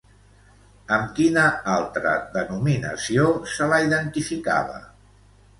Amb quina altra denominació se la identificava?